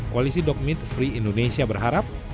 kualisi dokmit free indonesia berharap